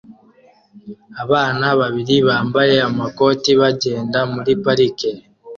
Abana babiri bambaye amakoti bagenda muri parike